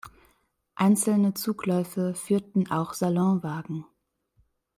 Einzelne Zugläufe führten auch Salonwagen.